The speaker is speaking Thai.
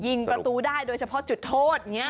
ประตูได้โดยเฉพาะจุดโทษอย่างนี้